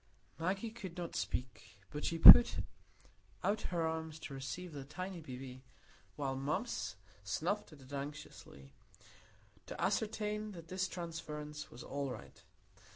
Maggie could not speak, but she put out her arms to receive the tiny baby, while Mumps snuffed at it anxiously, to ascertain that this transference was all right.